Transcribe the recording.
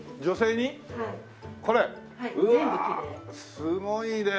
すごいねえ！